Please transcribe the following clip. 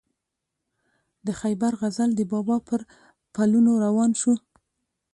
د خیبر غزل د بابا پر پلونو روان شو.